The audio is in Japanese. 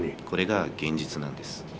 これが現実なんです。